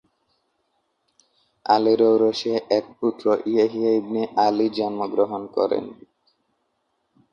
আলীর ঔরসে এক পুত্র ইয়াহিয়া ইবনে আলী জন্ম গ্রহণ করেন।